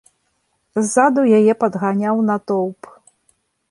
Ззаду яе падганяў натоўп.